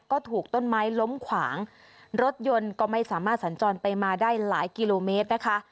ก็ถูกต้นไม้ล้มขวางรถยนต์ก็ไม่สามารถสัญจรไปมาได้หลายกิโลเมตรนะคะ